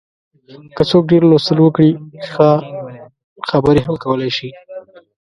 که څوک ډېر لوستل وکړي، ښه خبرې هم کولای شي.